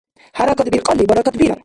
ХӀяракат биркьалли — баракат бирар.